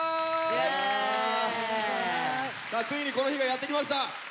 ついにこの日がやってきました。